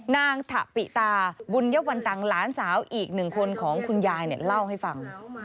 นางถะปิตาบุญยวันตังหลานสาวอีกหนึ่งคนของคุณยายเล่าให้ฟัง